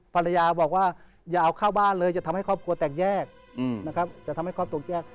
ภรรยาบอกว่าอย่าเอาเข้าบ้านเลยจะทำให้ครอบครัวแตกแยกนะครับจะทำให้ครอบครัวแยก